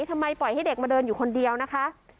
ทำไมปล่อยให้เด็กมาเดินอยู่คนเดียวนะคะ